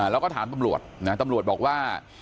แล้วก็ถามตำรวจนะตำรวจบอกว่า